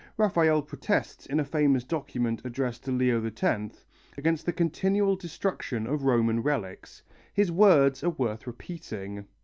Raphael protests, in a famous document addressed to Leo X, against the continual destruction of Roman relics. His words are worth repeating.